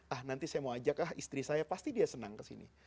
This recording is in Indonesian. ah nanti saya mau ajak ah istri saya pasti dia senang ke sini